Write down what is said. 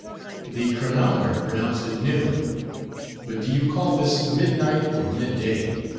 The chronometer pronounced it noon; but do you call this midnight or midday?